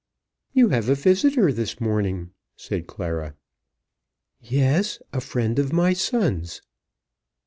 "You have a visitor this morning," said Clara. "Yes; a friend of my son's."